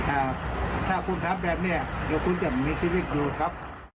อ่าถ้าคุณทำแบบเนี้ยเดี๋ยวคุณจะมีชีวิตอยู่ครับ